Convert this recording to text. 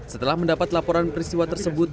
setelah mendapat laporan peristiwa tersebut